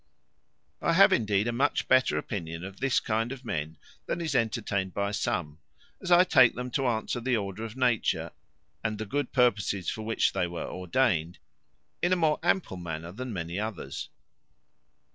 I have, indeed, a much better opinion of this kind of men than is entertained by some, as I take them to answer the order of Nature, and the good purposes for which they were ordained, in a more ample manner than many others.